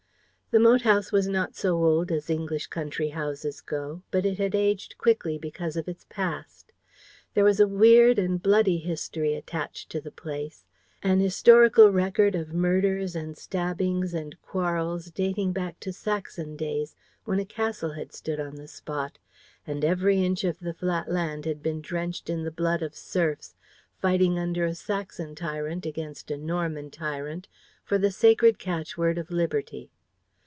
The moat house was not so old as English country houses go, but it had aged quickly because of its past. There was a weird and bloody history attached to the place: an historical record of murders and stabbings and quarrels dating back to Saxon days, when a castle had stood on the spot, and every inch of the flat land had been drenched in the blood of serfs fighting under a Saxon tyrant against a Norman tyrant for the sacred catchword of Liberty.